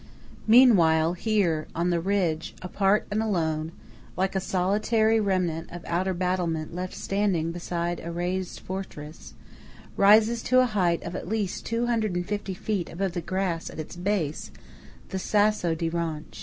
Meanwhile here, on the ridge, apart and alone, like a THE SASSO DI RONCH solitary remnant of outer battlement left standing beside a razed fortress, rises to a height of at least 250 feet above the grass at its base, the Sasso di Ronch.